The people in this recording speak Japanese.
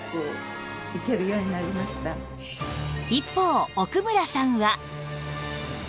一方奥村さんは